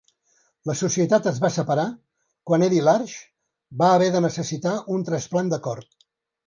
La societat es va separar quan Eddie Large va haver de necessitar un trasplant de cor.